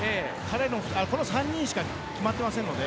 この３人しか決まってません。